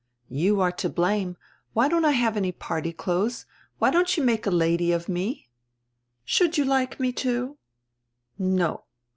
You are to blame. Why don't I have any party clothes! Why don't you make a lady of me?" "Should you like me to?" "No."